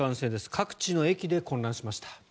各地の駅で混乱しました。